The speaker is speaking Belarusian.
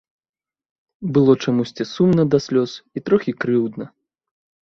Было чамусьці сумна да слёз і трохі крыўдна.